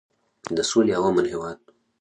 د سولې او امن هیواد.